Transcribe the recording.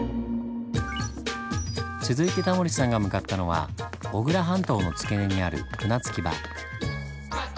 続いてタモリさんが向かったのは御倉半島の付け根にある船着き場。